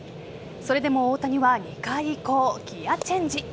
それでも大谷は２回以降ギアチェンジ。